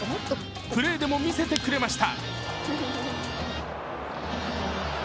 プレーでも見せてくれました。